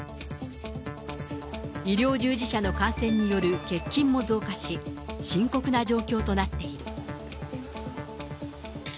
医療従事者の感染による欠勤も増加し、深刻な状況となっている。